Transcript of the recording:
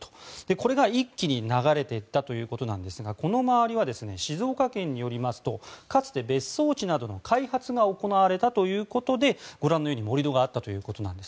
これが一気に流れていったということですがこの周りは、静岡県によりますとかつて、別荘地などの開発が行われたということで盛り土があったということなんです。